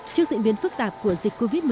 trước diễn biến phức tạp của dịch covid một mươi